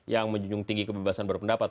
yang menjunjung tinggi kebebasan berpendapat